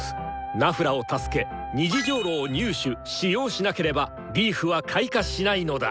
ナフラを助け「虹如露」を入手・使用しなければリーフは開花しないのだ！